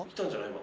今。